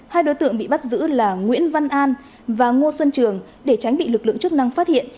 hai đối tượng bị bắt giữ là nguyễn văn an và ngô xuân trường để tránh bị lực lượng chức năng phát hiện